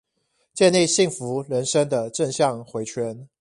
建立幸福人生的正向迴圈